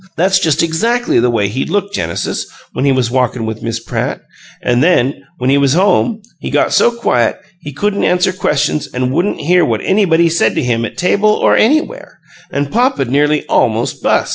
That's just EXACTLY the way he'd look, Genesis, when he was walkin' with Miss Pratt; an' then when he was home he got so quiet he couldn't answer questions an' wouldn't hear what anybody said to him at table or anywhere, an' papa 'd nearly almost bust.